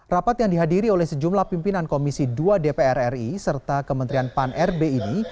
rapat yang dihadiri oleh sejumlah pimpinan komisi dua dpr ri serta kementerian pan rb ini